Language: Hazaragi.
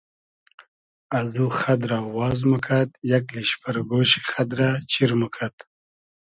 از او خئد رۂ واز موکئد یئگ لیشپئر گۉشی خئد رۂ چیر موکئد